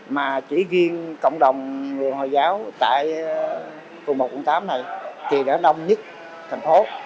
mà chỉ riêng cộng đồng người hồi giáo tại quận một quận tám này thì nó đông nhất thành phố